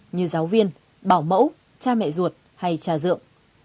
như giáo viên bảo mẫu cha mẹ ruột hay trà rượu